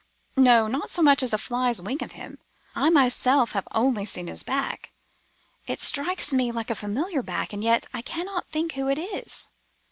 "'No, not so much as a fly's wing of him. I myself have only seen his back. It strikes me like a familiar back, and yet I cannot think who it is.